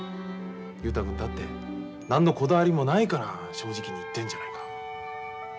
雄太君だって何のこだわりもないから正直に言ってんじゃないか。